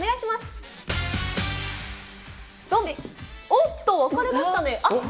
おっと、分かれましたね。